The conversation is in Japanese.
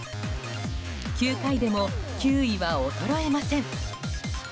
９回でも球威は衰えません。